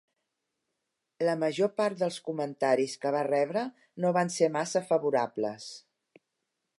La major part dels comentaris que va rebre no van ser massa favorables.